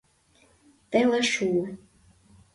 Теле шуо.